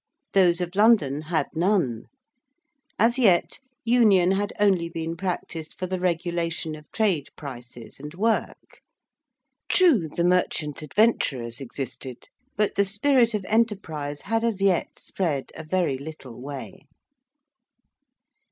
Those of London had none. As yet union had only been practised for the regulation of trade prices and work. True, the merchant adventurers existed, but the spirit of enterprise had as yet spread a very little way.